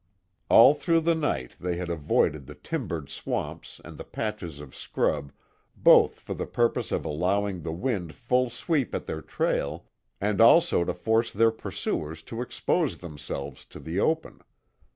All through the night they had avoided the timbered swamps and the patches of scrub both for the purpose of allowing the wind full sweep at their trail, and also to force their pursuers to expose themselves to the open.